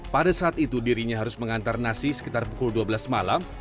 pada saat itu dirinya harus mengantar nasi sekitar pukul dua belas malam